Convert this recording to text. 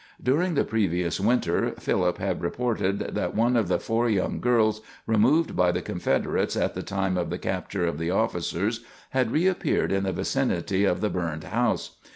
During the previous winter, Philip had reported that one of the four young girls removed by the Confederates at the time of the capture of the officers had reappeared in the vicinity of the burned house.